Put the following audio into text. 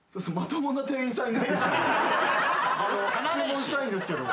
注文したいんですけど。